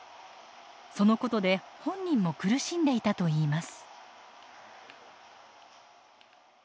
そのことで本人も苦しんでいたといいます。